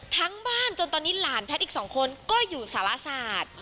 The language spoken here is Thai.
ทั้งบ้านจนตอนนี้หลานแพทย์อีก๒คนก็อยู่สารศาสตร์